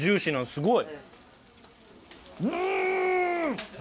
すごい。